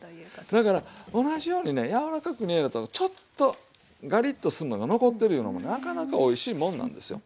だから同じようにね柔らかく煮えるのとちょっとガリッとするのが残ってるいうのもなかなかおいしいもんなんですよ。